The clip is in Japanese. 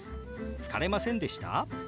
「疲れませんでした？」。